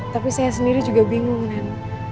tapi saya sendiri juga bingung kan